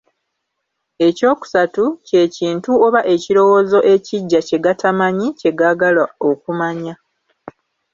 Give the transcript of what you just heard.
Ekyokusatu, kye kintu oba ekirowoozo ekiggya kye gatamanyi, kye gaagala okumanya.